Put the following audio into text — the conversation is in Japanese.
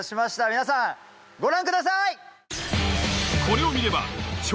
皆さんご覧ください！